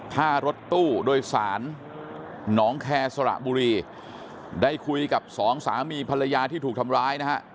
ถ้ารถตู้โดยสารหนองแคร์สระบุรีได้คุยกับสองสามีภรรยาที่ถูกทำร้ายนะฮะ